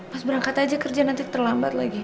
pas berangkat aja kerja nanti terlambat lagi